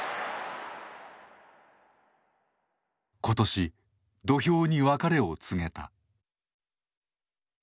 今年土俵に別れを告げた。